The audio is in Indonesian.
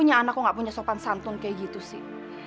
kenapa anakku gak punya sopan santun kayak gitu sih